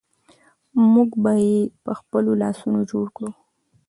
موږ به یې په خپلو لاسونو جوړ کړو.